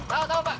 tau tau pak